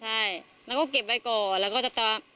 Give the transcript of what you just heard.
ใช่แล้วก็เก็บไว้ก่อน